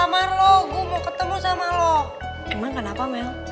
bangsa ku rakup semuanya